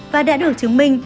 và đã được chứng minh